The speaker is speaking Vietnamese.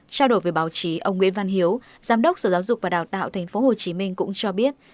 trao đổi với báo chí ông nguyễn văn hiếu giám đốc sở giáo dục và đào tạo tp hcm cũng cho biết